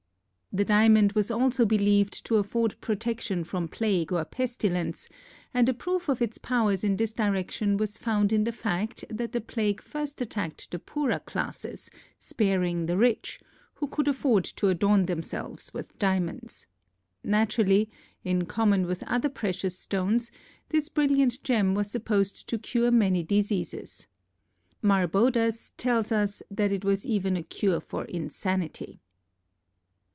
] The diamond was also believed to afford protection from plague or pestilence, and a proof of its powers in this direction was found in the fact that the plague first attacked the poorer classes, sparing the rich, who could afford to adorn themselves with diamonds. Naturally, in common with other precious stones, this brilliant gem was supposed to cure many diseases. Marbodus tells us that it was even a cure for insanity.